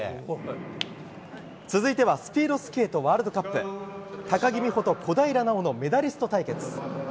続いてはスピードスケートワールドカップ高木美帆と小平奈緒のメダリスト対決。